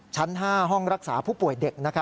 ชั้น๕ห้องรักษาผู้ป่วยเด็ก